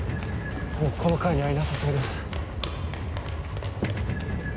もうこの階にはいなさそうです。